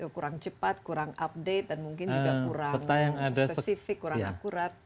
kurang cepat kurang update dan mungkin juga kurang spesifik kurang akurat